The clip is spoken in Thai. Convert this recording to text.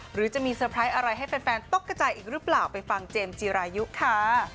หรือจะมีเซอร์ไพรส์อะไรให้แฟนตกกระจายอีกหรือเปล่าไปฟังเจมส์จีรายุค่ะ